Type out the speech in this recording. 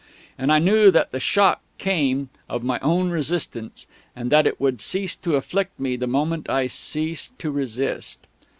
And I knew that the shock came of my own resistance, and that it would cease to afflict me the moment I ceased to resist.